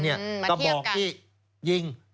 มาเทียบกันก็บอกที่ยิง